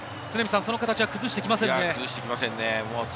その形は崩してきませんね。